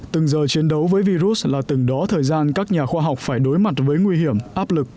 từng giờ chiến đấu với virus là từng đó thời gian các nhà khoa học phải đối mặt với nguy hiểm áp lực